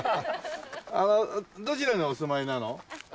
どちらにお住まいなの？